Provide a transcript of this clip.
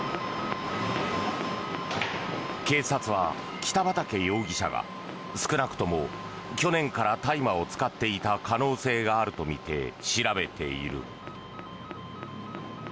警察は北畠容疑者が少なくとも去年から大麻を使っていた可能性があるとみて調べている。